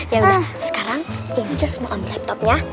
yaudah sekarang ince mau ambil laptopnya